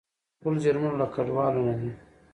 ټول جرمونه له کډوالو نه دي.